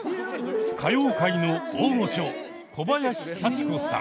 歌謡界の大御所小林幸子さん。